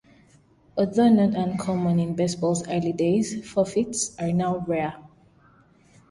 Although not uncommon in baseball's early days, forfeits are now rare.